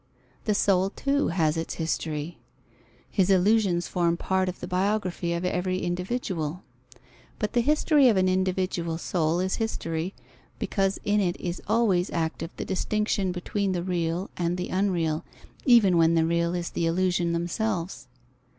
The soul, too, has its history. His illusions form part of the biography of every individual. But the history of an individual soul is history, because in it is always active the distinction between the real and the unreal, even when the real is the illusions themselves.